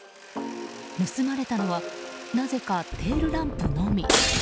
盗まれたのはなぜかテールランプのみ。